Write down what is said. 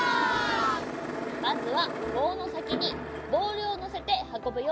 まずはぼうのさきにボールをのせてはこぶよ。